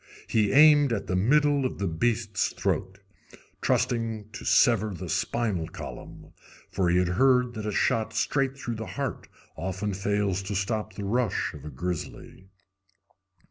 He aimed at the middle of the beast's throat, trusting to sever the spinal column, for he had heard that a shot straight through the heart often fails to stop the rush of a grizzly.